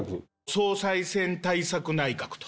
総裁選対策内閣と。